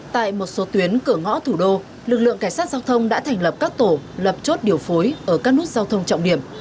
tại một số tuyến cửa ngõ thủ đô lực lượng cảnh sát giao thông đã thành lập các tổ lập chốt điều phối ở các nút giao thông trọng điểm